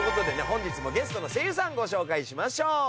本日もゲストの声優さんご紹介しましょう。